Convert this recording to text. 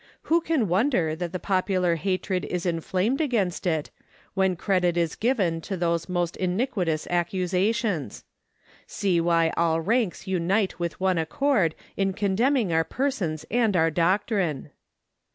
Who can wonder that the popular hatred is inflamed against it, when credit is given to those most iniquitous accusations? See why all ranks unite with one accord in condemning our persons and our doctrine!